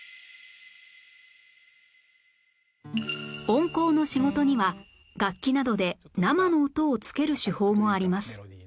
音効の仕事には楽器などで生の音をつける手法もあります